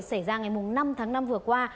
xảy ra ngày năm tháng năm vừa qua